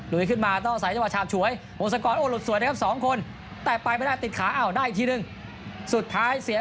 ลุยขึ้นมาต้องเอาสายจังหวะชาบฉวย